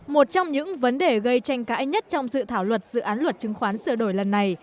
một trong những vấn đề gây tranh cãi nhất trong dự thảo luật dự án luật chứng khoán sửa đổi lần này